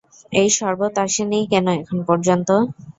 এই শরবত আসেনি কেনো এখনো পর্যন্ত!